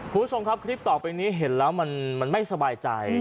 คุณผู้ชมครับคลิปต่อไปนี้เห็นแล้วมันไม่สบายใจ